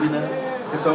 air langga hartarto